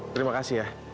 terima kasih ya